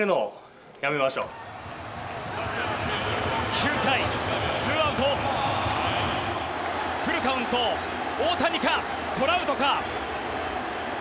９回ツーアウトフルカウント大谷かトラウトか。